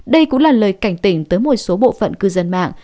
đây cũng là lời cảnh tỉnh tới một số bộ phận cư dân mạng